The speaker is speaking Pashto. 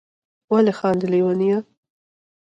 ولي خاندی ليونيه